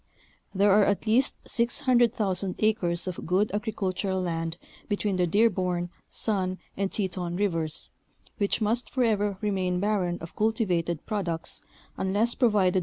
There are at least 600,000 acres of good agricultural land between the Dearborn, Sun, and Teton Rivers, which must forever remain barren of cultivated products unless provided.